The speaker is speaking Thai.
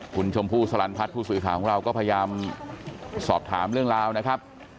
คุณชมพู่สลันพัฒน์ผู้สื่อข่าวของเราก็พยายามสอบถามเรื่องราวนะครับ